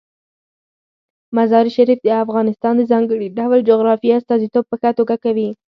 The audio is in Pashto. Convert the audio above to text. مزارشریف د افغانستان د ځانګړي ډول جغرافیې استازیتوب په ښه توګه کوي.